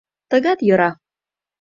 — Тыгат йӧра...